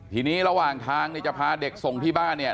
ทีนี้ระหว่างทางเนี่ยจะพาเด็กส่งที่บ้านเนี่ย